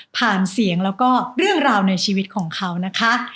เสียงแล้วก็เรื่องราวในชีวิตของเขานะคะ